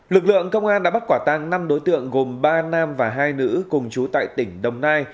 lực lượng công an đã bắt quả tăng năm đối tượng gồm ba nam và hai nữ cùng chú tại tỉnh đồng nai